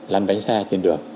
lăn bánh xe trên đường